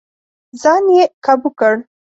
ځان يې کابو کړ.